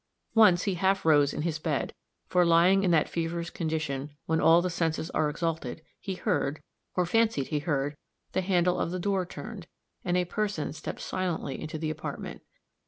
Once he half rose in his bed; for, lying in that feverish condition when all the senses are exalted, he heard, or fancied he heard, the handle of the door turned, and a person step silently into the apartment.